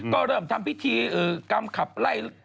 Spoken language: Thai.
ก็เริ่มทำพิธีกรรมขับไล่